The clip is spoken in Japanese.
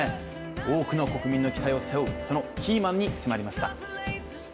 多くの国民の期待を背負うそのキーマンに迫りました。